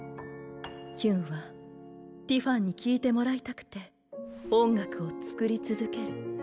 ヒュンはティファンに聴いてもらいたくて音楽を作り続ける。